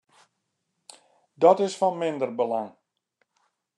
Dat is fan minder belang.